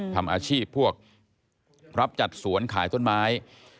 ทำอาชีพพวกรับจัดสวนขายต้นไม้